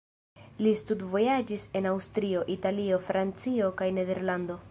Li studvojaĝis en Aŭstrio, Italio, Francio kaj Nederlando.